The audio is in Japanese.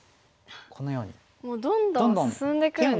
もうどんどん進んでくるんですね。